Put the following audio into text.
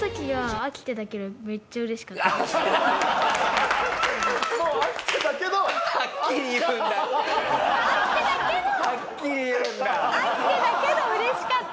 飽きてたけど嬉しかった。